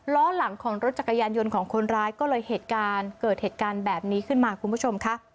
ล้อหลังของรถจักรยานยนต์ของคนร้ายก็เลยเหตุการณ์เกิดเหตุการณ์แบบนี้ขึ้นมาคุณผู้ชมค่ะ